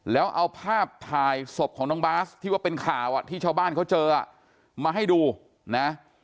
แล้วเอาภาพถ่ายศพของน้องบาสที่ว่าเป็นข่าวที่ชาวบ้านเขาเจอมาให้ดูนะ